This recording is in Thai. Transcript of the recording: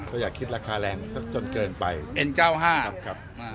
อ่าก็อยากคิดราคาแรงสักสักจนเกินไปเอ็นเก้าห้าครับครับ